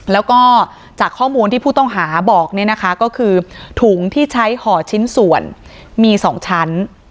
แล้วก็จากข้อมูลที่ผู้ต้องหาบอกเนี่ยนะคะก็คือถุงที่ใช้ห่อชิ้นส่วนมี๒ชั้น